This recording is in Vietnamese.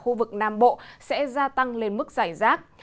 khu vực nam bộ sẽ gia tăng lên mức giải rác